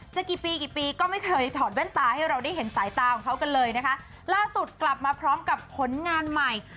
กี่ปีกี่ปีก็ไม่เคยถอดแว่นตาให้เราได้เห็นสายตาของเขากันเลยนะคะล่าสุดกลับมาพร้อมกับผลงานใหม่